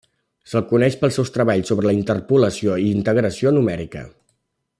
Se'l coneix pels seus treballs sobre la interpolació i integració numèrica.